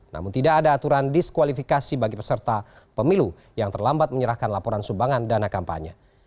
namun tidak ada aturan diskualifikasi bagi peserta pemilu yang terlambat menyerahkan laporan sumbangan dana kampanye